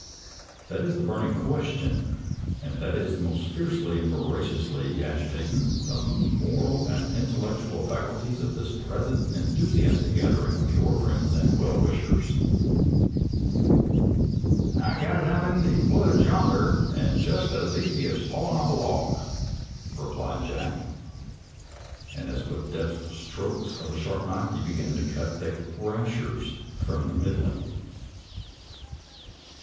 " That is the burnin' question that is most fiercely and voraciously agitatin' the moral and intellectual faculties of this present enthu siastic gathering of your friends and well wishers." " I got it out in the woods yonder, and just as easy as falling off a log," replied Jack, as with deft strokes of a sharp knife he began to cut 106 SOLDIER'S LETTERS TO CHARMING NELLIE thick rashers from the middling.